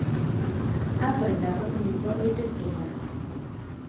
Afrika kotinyei bolutik chechang